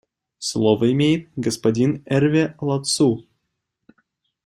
Слово имеет господин Эрве Ладсу.